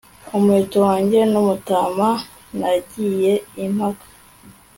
Umuheto wanjye numutana nagiye impaka